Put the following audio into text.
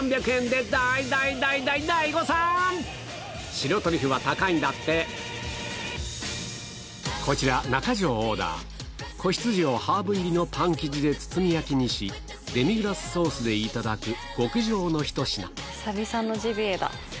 白トリュフは高いんだってこちら中条オーダー仔羊をハーブ入りのパン生地で包み焼きにしデミグラスソースでいただく極上のひと品久々のジビエだ。